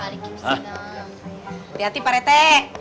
hati hati pak rete